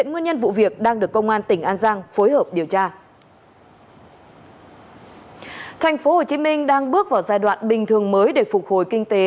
thành phố hồ chí minh đang bước vào giai đoạn bình thường mới để phục hồi kinh tế